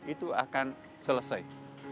itu akan selesai